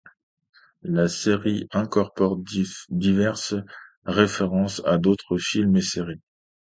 La série incorpore diverses références à d’autres films et séries.